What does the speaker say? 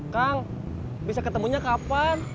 kang bisa ketemunya kapan